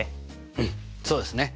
うんそうですね。